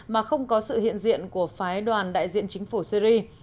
mà không có sự hiện diện của phái đoàn đại diện chính phủ syri